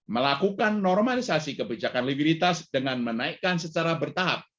melakukan normalisasi kebijakan likuiditas dengan menaikkan secara bertahap